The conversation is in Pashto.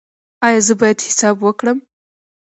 ایا زه باید حساب وکړم؟